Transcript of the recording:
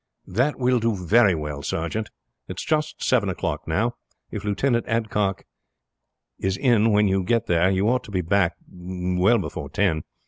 "That will do very well, sergeant. It is just seven o'clock now. If Lieutenant Adcock is in when you get there you ought to be back, well, before ten.